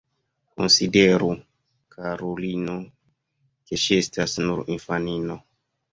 Konsideru, karulino, ke ŝi estas nur infanino.